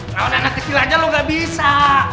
lawan anak kecil aja lo gak bisa